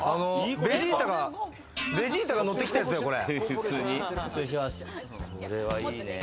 ベジータが乗ってきたやつだよ、これ。